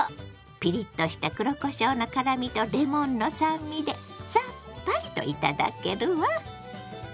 ピリッとした黒こしょうの辛みとレモンの酸味でさっぱりと頂けるわ。